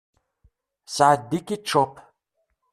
Sɛeddi ketchup.